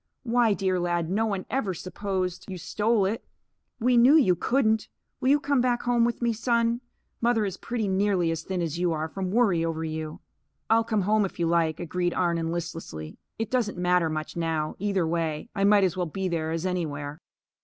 Why, dear lad, no one ever supposed you stole it. We knew you couldn't. Will you come back home with me, Son? Mother is pretty nearly as thin as you are, from worry over you." "I'll come, if you like," agreed Arnon, listlessly. "It doesn't matter much, now, either way. I might as well be there as anywhere."